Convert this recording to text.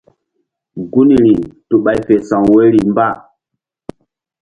Gunri tu ɓay fe sa̧w woyri mba.